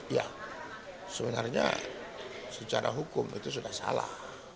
ya sebenarnya secara hukum itu sudah salah